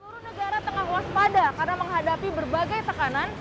seluruh negara tengah waspada karena menghadapi berbagai tekanan